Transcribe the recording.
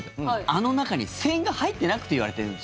あの中に千賀、入ってなくていわれてるんです。